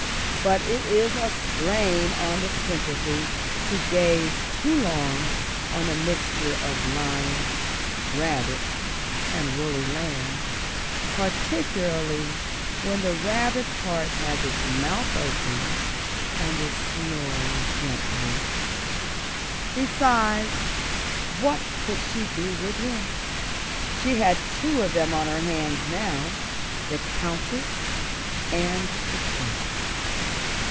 But it is a strain on the sympathy to gaze too long on a mixture of lion, rabbit, and woolly lamb, particularly when the rabbit part has its mouth open and is snoring gently. Besides, what could she do with him? She had two of them on her hands now: the Countess and the Prince.